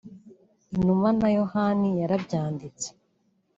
Inuma Na Yohani Yarabyanditse